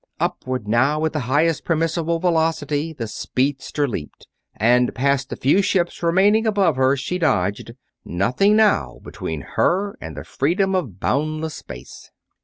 Upward now at the highest permissible velocity the speedster leaped, and past the few ships remaining above her she dodged; nothing now between her and the freedom of boundless space.